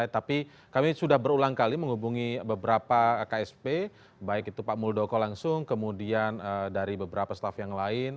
tapi kami sudah berulang kali menghubungi beberapa ksp baik itu pak muldoko langsung kemudian dari beberapa staff yang lain